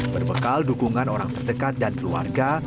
berbekal dukungan orang terdekat dan keluarga